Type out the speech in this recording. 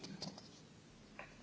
dan kebutuhan di dalam negeri